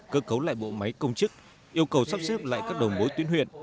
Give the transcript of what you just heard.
cơ cấu lại bộ máy công chức yêu cầu sắp xếp lại các đồng bối tuyến huyện